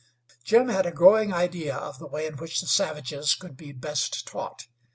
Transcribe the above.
Jim had a growing idea of the way in which the savages could be best taught.